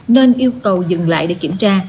nên yêu cầu dừng lại để kiểm tra